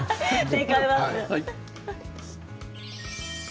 正解は。